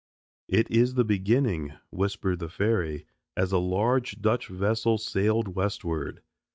"It is the beginning," whispered the fairy, as a large Dutch vessel sailed westward.